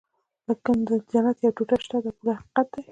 لیکن د جنت یوه ټوټه شته دا پوره حقیقت دی.